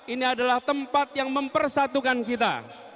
ini adalah tempat yang mempersatukan kita